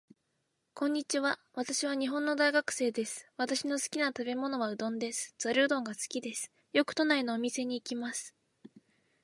こんにちは。私は日本の大学生です。私の好きな食べ物はうどんです。ざるうどんが好きです。よく都内のお店に行きます。